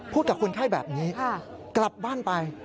กับคนไข้แบบนี้กลับบ้านไป